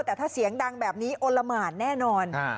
แต่ถ้าเสียงดังแบบนี้โอละหมานแน่นอน